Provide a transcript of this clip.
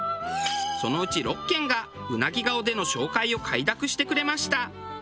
そのうち６軒がうなぎ顔での紹介を快諾してくれました。